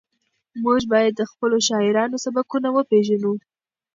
موږ باید د خپلو شاعرانو سبکونه وپېژنو.